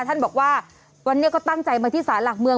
ท่านบอกว่าวันนี้ก็ตั้งใจมาที่ศาลหลักเมือง